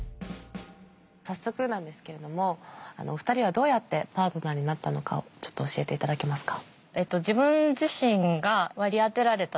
早速なんですけれどもお二人はどうやってパートナーになったのかをちょっと教えていただけますか？